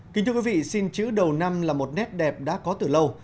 kính thưa quý vị xin chữ đầu năm là một nét đẹp đã có từ lâu